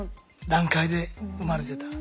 段階で生まれてた。